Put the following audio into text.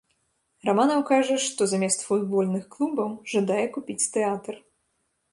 Раманаў кажа, што замест футбольных клубаў жадае купіць тэатр.